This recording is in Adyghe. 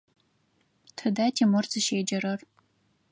Тыда Тимур зыщеджэрэр?